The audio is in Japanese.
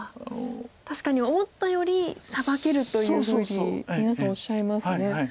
確かに思ったよりサバけるというふうに皆さんおっしゃいますね。